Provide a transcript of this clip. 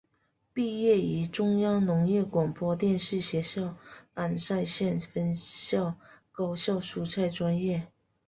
毕业于中央农业广播电视学校安塞县分校高效蔬菜专业。